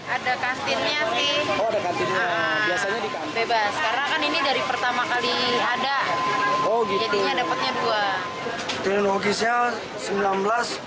ada kastilnya sih bebas karena kan ini dari pertama kali ada jadinya dapatnya dua